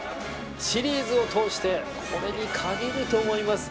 シリーズを通してこれに限ると思います。